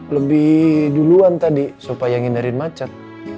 lebih duluan tadi supaya ngindarin macet